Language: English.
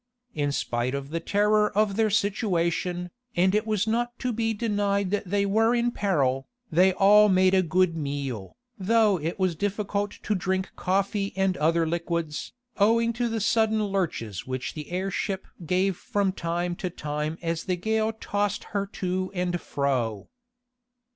In spite of the terror of their situation, and it was not to be denied that they were in peril, they all made a good meal, though it was difficult to drink coffee and other liquids, owing to the sudden lurches which the airship gave from time to time as the gale tossed her to and fro.